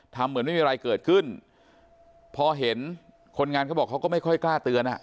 เหมือนไม่มีอะไรเกิดขึ้นพอเห็นคนงานเขาบอกเขาก็ไม่ค่อยกล้าเตือนอ่ะ